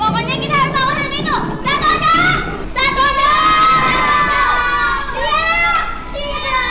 pokoknya kita harus lawan hal itu